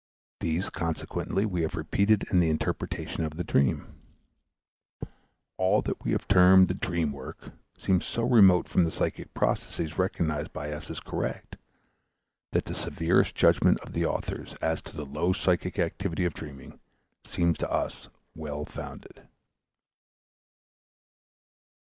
These, consequently, we have repeated in the interpretation of the dream. All that we have termed the "dream work" seems so remote from the psychic processes recognized by us as correct, that the severest judgments of the authors as to the low psychic activity of dreaming seem to us well founded.